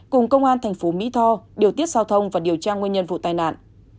cùng công an thành phố mỹ tho điều tiết giao thông và điều tra nguyên nhân vụ tai nạn